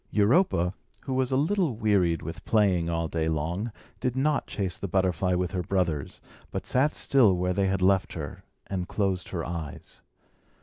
Europa, who was a little wearied with playing all day long, did not chase the butterfly with her brothers, but sat still where they had left her, and closed her eyes.